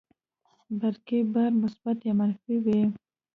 برقي بار مثبت یا منفي وي.